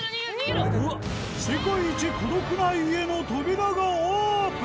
世界一孤独な家の扉がオープン！